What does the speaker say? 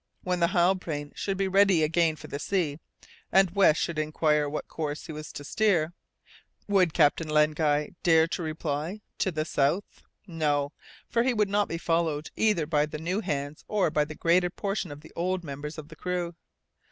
When the Halbrane should again be ready for the sea, and when West should inquire what course he was to steer, would Captain Len Guy dare to reply, "To the south"? No! for he would not be followed either by the new hands, or by the greater portion of the older members of the crew.